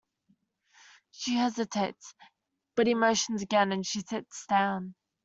She hesitates, but he motions again, and she sits down.